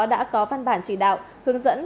đã có văn bản chỉ đạo hướng dẫn